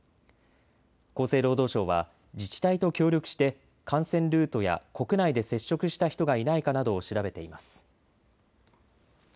厚生労働省は自治体と協力して感染ルートや国内で接触した人がいないかなどを調べています。